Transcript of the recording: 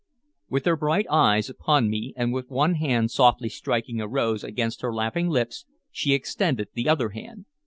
With her bright eyes upon me, and with one hand softly striking a rose against her laughing lips, she extended the other hand.